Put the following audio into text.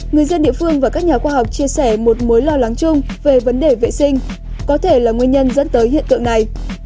người dân địa phương và các nhà khoa học chia sẻ một mối lo lắng chung về vấn đề vệ sinh có thể là nguyên nhân dẫn tới hiện tượng này